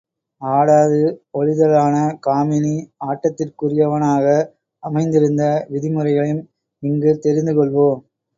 ஆடாது ஒழிதலான காமினி ஆட்டத்திற்குரியனவாக அமைந்திருந்த விதிமுறைகளையும் இங்கு தெரிந்து கொள்வோம்.